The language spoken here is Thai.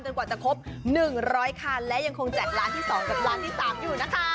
กว่าจะครบ๑๐๐คันและยังคงแจกร้านที่๒กับร้านที่๓อยู่นะคะ